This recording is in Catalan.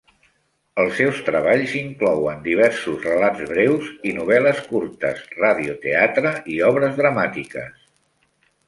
Els seus treballs inclouen diversos relats breus i novel·les curtes, radioteatre i obres dramàtiques.